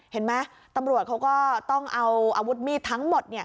เห็นไหมตำรวจเขาก็ต้องเอาอาวุธมีดทั้งหมด